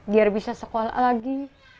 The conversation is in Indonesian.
biar bisa sekolah lagi